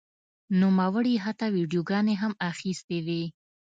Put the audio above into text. نوموړي حتی ویډیوګانې هم اخیستې وې.